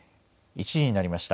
１時になりました。